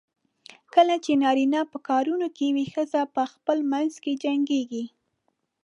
کله چې نارینه په کارونو کې وي، ښځې په خپلو منځو کې جنګېږي.